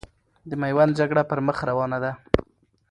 د میوند جګړه پرمخ روانه ده.